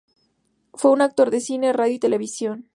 Fue un actor de cine, radio y televisión.